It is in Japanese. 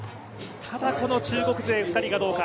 ただこの中国勢２人がどうか。